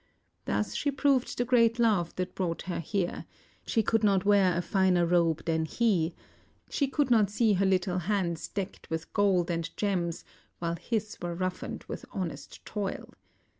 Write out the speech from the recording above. Thus she proved the great love that brought her here; she could not wear a finer robe than he; she could not see her little hands decked with gold and gems while his were roughened with hon est toil.